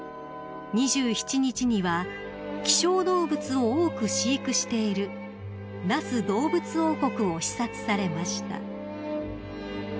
［２７日には希少動物を多く飼育している那須どうぶつ王国を視察されました］